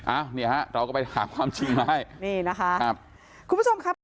อ้าวเนี่ยฮะเราก็ไปถามความจริงมาให้นี่นะคะครับคุณผู้ชมครับ